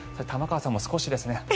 玉川さんも少しですね